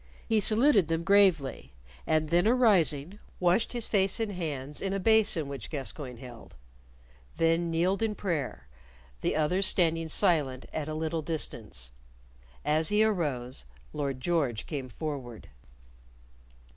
He saluted them gravely, and then arising, washed his face and hands in a basin which Gascoyne held; then kneeled in prayer, the others standing silent at a little distance. As he arose, Lord George came forward.